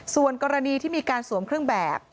ส่วนกรณีที่มีการสวมเครื่องแบบ